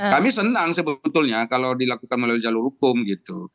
kami senang sebetulnya kalau dilakukan melalui jalur hukum gitu